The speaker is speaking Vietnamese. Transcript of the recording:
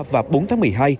ba và bốn tháng một mươi hai